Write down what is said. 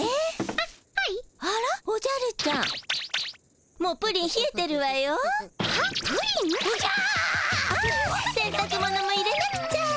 あっせんたく物も入れなくちゃ。